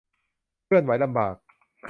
เคลื่อนไหวลำบาก